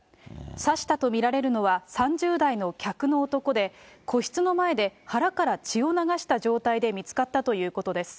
刺したと見られるのは３０代の客の男で、個室の前で腹から血を流した状態で見つかったということです。